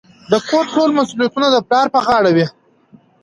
د کور ټول مسوليتونه د پلار په غاړه وي.